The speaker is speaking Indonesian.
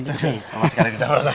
sama sekali tidak pernah